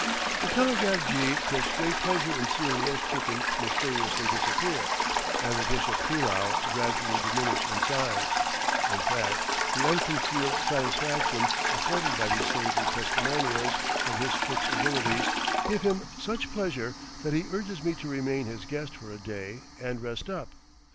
The telegraph jee takes great pleasure in seeing roast chicken mysteriously disappear, and the dish of pillau gradually diminish in size; in fact, the unconcealed satisfaction afforded by these savory testimonials of his cook's abilities give him such pleasure that he urges me to remain his guest for a day and rest up.